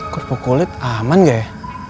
kerupuk kulit aman gak ya